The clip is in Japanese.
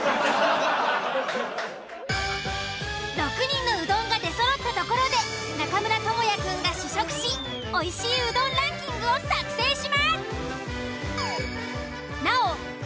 ６人のうどんが出そろったところで中村倫也くんが試食しおいしいうどんランキングを作成します。